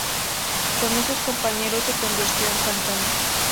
Con esos compañeros, se convirtió en cantante.